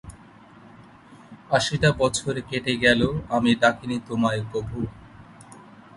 আশিটা বছর কেটে গেল, আমি ডাকিনি তোমায় কভু।